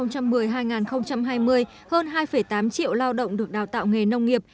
hơn hai tám triệu lao động được đào tạo nghề nông nghiệp